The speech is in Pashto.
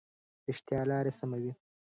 رښتیا لارې سموي.